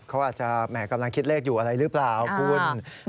เขาอาจจะแหม่กำลังคิดเลขอยู่อะไรหรือเปล่าคุณ